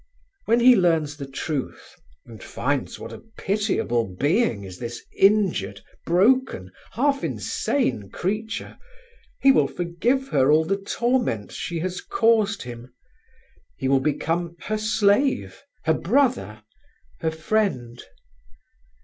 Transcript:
When he learns the truth, and finds what a pitiable being is this injured, broken, half insane creature, he will forgive her all the torment she has caused him. He will become her slave, her brother, her friend.